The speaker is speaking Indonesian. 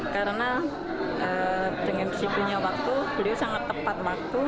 karena dengan disiplinnya waktu beliau sangat tepat waktu